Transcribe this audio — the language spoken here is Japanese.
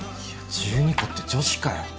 １２個って女子かよ。